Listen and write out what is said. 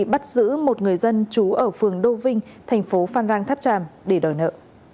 bắt giữ một người dân chú ở phường đô vinh tp phan rang tháp tràm để đòi nợ